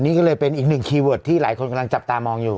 นี่ก็เลยเป็นอีกหนึ่งคีย์เวิร์ดที่หลายคนกำลังจับตามองอยู่